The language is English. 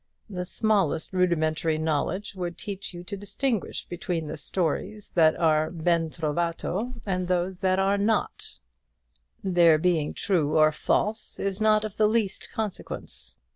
The smallest rudimentary knowledge would teach you to distinguish between the stories that are ben trovato and those that are not; their being true or false is not of the least consequence.